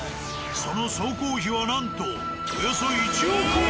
その総工費はなんとおよそ１億円。